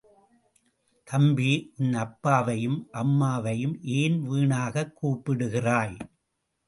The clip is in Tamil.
தம்பி, உன் அப்பாவையும் அம்மாவையும் ஏன் வீணாகக் கூப்பிடுகிறாய்?